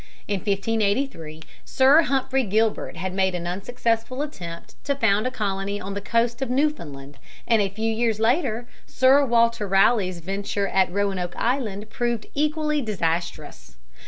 In 1583 Sir Humphrey Gilbert had made an unsuccessful attempt to found a colony on the coast of Newfoundland, and a few years later Sir Walter Raleigh's venture at Roanoke Island proved equally disastrous.